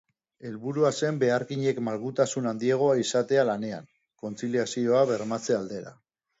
Helburua zen beharginek malgutasun handiagoa izatea lanean, kontziliazioa bermatze aldera.